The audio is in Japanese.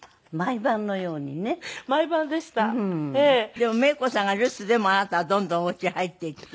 でもメイコさんが留守でもあなたはどんどんお家へ入っていって。